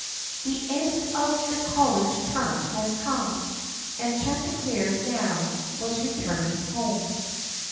The end of the college term had come, And Chanticleer now was returning home.